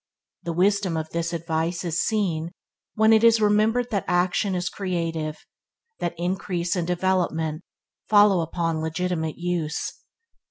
The wisdom of this advice is seen when it is remembered that action is creative, that increase and development follow upon legitimate use.